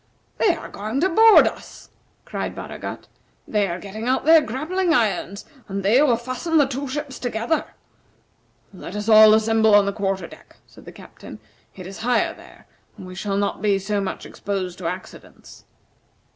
"They are going to board us," cried Baragat. "They are getting out their grappling irons, and they will fasten the two ships together." "Let all assemble on the quarter deck," said the Captain. "It is higher there, and we shall not be so much exposed to accidents."